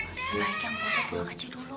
mpo mpo sebaiknya mpo tolong aci dulu